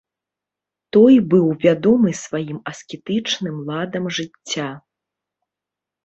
Той быў вядомы сваім аскетычным ладам жыцця.